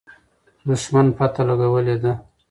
دښمن پته لګولې ده.